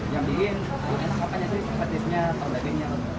yang bikin enak apa ya sih petisnya atau dagingnya